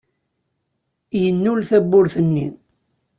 Yennul tawwurt-nni.